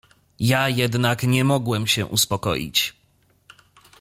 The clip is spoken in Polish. "Ja jednak nie mogłem się uspokoić."